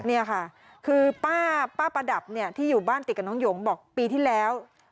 นี่ค่ะคือป้าประดับเนี่ยที่อยู่บ้านติดกับน้องหยงบอกปีที่แล้ว